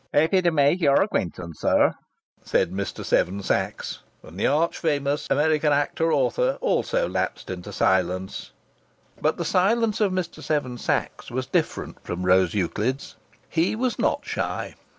"Happy to make your acquaintance, sir," said Mr. Seven Sachs, and the arch famous American actor author also lapsed into silence. But the silence of Mr. Seven Sachs was different from Rose Euclid's. He was not shy.